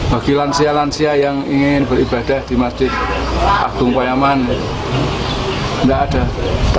bagi lansia lansia yang ingin beribadah di masjid agung payaman tidak ada